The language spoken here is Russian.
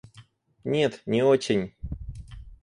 Нет, не очень.